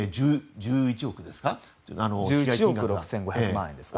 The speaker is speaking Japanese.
１１億６５００万円ですかね。